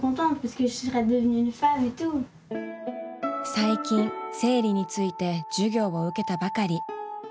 最近生理について授業を受けたばかり。